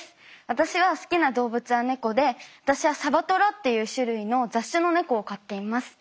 私が好きな動物は猫で私はサバトラっていう種類の雑種の猫を飼っています。